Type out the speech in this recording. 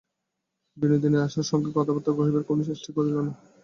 বিনোদিনী আশার সঙ্গে কথাবার্তা কহিবার কোনো চেষ্টাই করিল না।